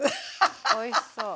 おいしそう。